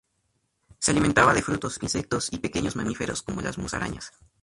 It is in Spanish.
Se alimentaba de frutos, insectos y pequeños mamíferos como las musarañas.